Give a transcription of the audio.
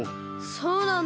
そうなんだ。